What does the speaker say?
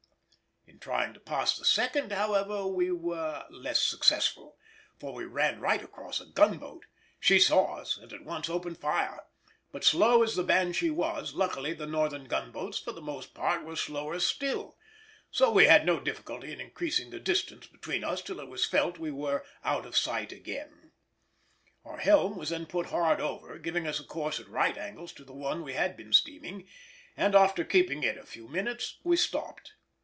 In trying to pass the second, however, we were less successful, for we ran right across a gunboat; she saw us and at once opened fire; but slow as the Banshee was, luckily the Northern gunboats for the most part were slower still, so we had no difficulty in increasing the distance between us till it was felt we were out of sight again. Our helm was then put hard over, giving us a course at right angles to the one we had been steaming, and after keeping it a few minutes we stopped.